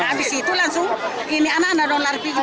habis itu langsung ini anak anak lalu lari pergi